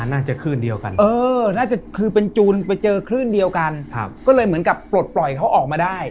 น่าจะคลื่นเดียวกันเออน่าจะคือเป็นจูนไปเจอคลื่นเดียวกันก็เลยเหมือนกับปลดปล่อยเขาออกมาได้